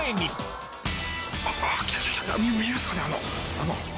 あの。